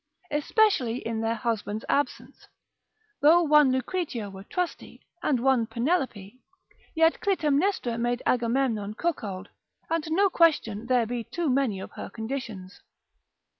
Especially in their husband's absence: though one Lucretia were trusty, and one Penelope, yet Clytemnestra made Agamemnon cuckold; and no question there be too many of her conditions.